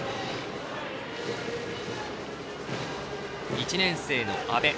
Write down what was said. １年生の阿部。